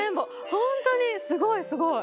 ホントにすごいすごい！